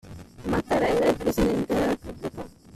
Mattarella è il presidente della Repubblica.